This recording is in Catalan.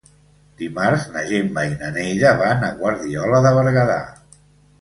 Dimarts na Gemma i na Neida van a Guardiola de Berguedà.